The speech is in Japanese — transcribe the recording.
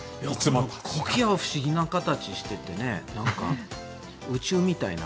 コキアは不思議な形していて宇宙みたいな。